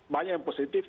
banyak yang positif